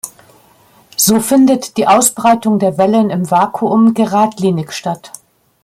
So findet die Ausbreitung der Wellen im Vakuum geradlinig statt.